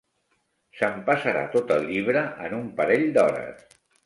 S'empassarà tot el llibre en un parell d'hores.